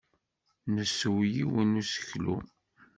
Tessew yiwen n useklu.